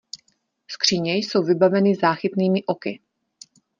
Skříně jsou vybaveny záchytnými oky.